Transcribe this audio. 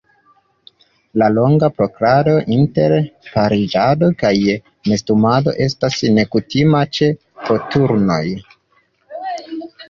La longa prokrasto inter pariĝado kaj nestumado estas nekutima ĉe koturnoj.